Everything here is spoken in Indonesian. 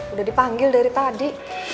udah dipanggil dari tadi